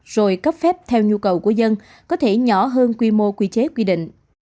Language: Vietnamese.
rồi cấp phép theo nhu cầu của dân có thể nhỏ hơn quy mô quy chế quy định